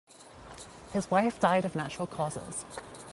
His wife died of natural causes.